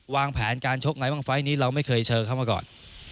วางแผนการชกไงบ้างไฟล์นี้เราไม่เคยเจอเขามาก่อน